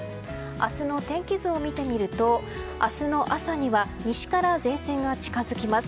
明日の天気図を見てみると明日の朝には西から前線が近づきます。